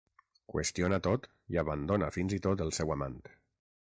Qüestiona tot i abandona fins i tot el seu amant.